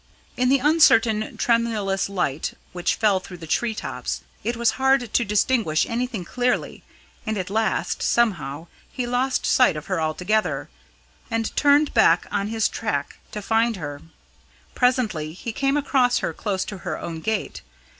In the uncertain, tremulous light which fell through the tree tops, it was hard to distinguish anything clearly, and at last, somehow, he lost sight of her altogether, and turned back on his track to find her. Presently he came across her close to her own gate.